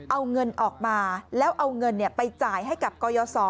เอาเงินออกมาแล้วเอาเงินไปจ่ายให้กับกรยศ